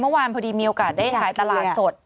เมื่อวานพอดีมีโอกาสได้ขายตลาดสด